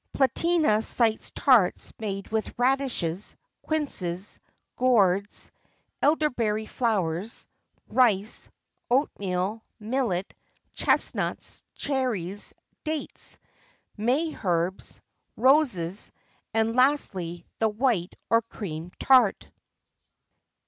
[XXIV 42] Platina cites tarts made with radishes, quinces, gourds, elder berry flowers, rice, oatmeal, millet, chesnuts, cherries, dates, May herbs, roses, and, lastly, the white, or cream tart.